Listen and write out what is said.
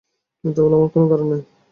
মিথ্যা বলার আমার কোনো কারণ নেই।